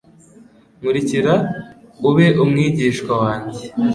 Nkurikira ube umwigishwa wanjye